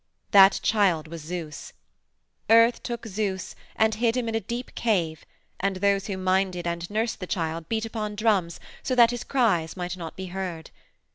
That child was Zeus. Earth took Zeus and hid him in a deep cave and those who minded and nursed the child beat upon drums so that his cries might not be heard.